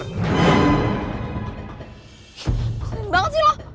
sering banget sih lo